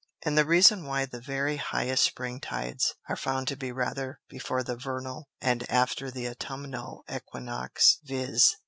And the reason why the very highest Spring Tides are found to be rather before the Vernal and after the Autumnal Equinox, _viz.